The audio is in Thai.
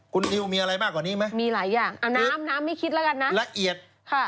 คุณนิวมีอะไรมากกว่านี้ไหมมีหลายอย่างเอาน้ำน้ำไม่คิดแล้วกันนะละเอียดค่ะ